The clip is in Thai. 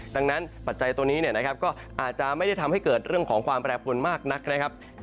ดังนั้นปัจจัยตัวนี้ก็อาจจะไม่ได้ทำให้เกิดเรื่องของความแปรปวนมากนักนะครับ